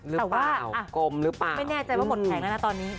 เราว่าเออแต่ว่าไม่แน่ใจว่าหมดแผงแล้วนะตอนนี้